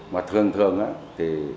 mà thường thường thì